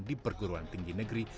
di perguruan tinggi negeri